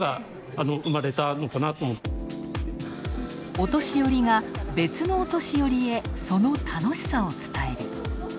お年寄りが、別のお年寄りへ、その楽しさを伝える。